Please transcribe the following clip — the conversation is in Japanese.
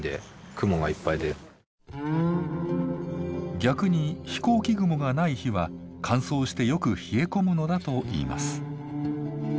逆に飛行機雲がない日は乾燥してよく冷え込むのだといいます。